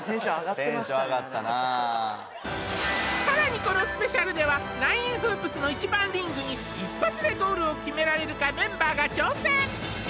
さらにこのスペシャルではナインフープスの１番リングに一発でゴールを決められるかメンバーが挑戦